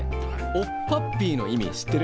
「おっぱっぴー」の意味知ってる？